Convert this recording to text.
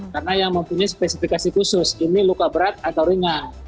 karena yang mempunyai spesifikasi khusus ini luka berat atau ringan